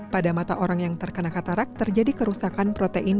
pada mata orang yang terkena katarak terjadi kerusakan protein di lensa matanya